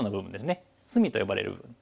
「隅」と呼ばれる部分。